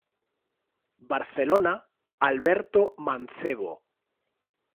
Barcelona, Alberto Mancebo.